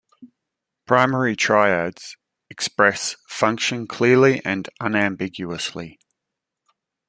Primary triads, express function clearly and unambiguously.